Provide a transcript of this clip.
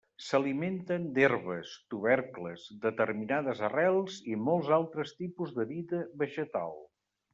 S'alimenten d'herbes, tubercles, determinades arrels i molts altres tipus de vida vegetal.